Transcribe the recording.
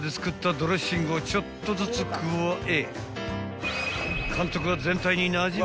ドレッシングをちょっとずつ加え］